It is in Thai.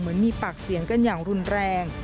เหมือนมีปากเสียงกันอย่างรุนแรง